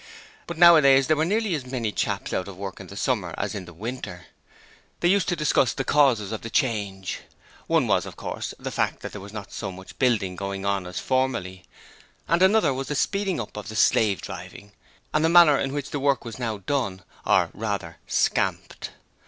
But nowadays there were nearly as many chaps out of work in the summer as in the winter. They used to discuss the causes of the change. One was, of course, the fact that there was not so much building going on as formerly, and another was the speeding up and slave driving, and the manner in which the work was now done, or rather scamped.